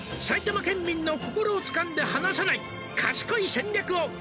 「埼玉県民の心をつかんで離さない賢い戦略を」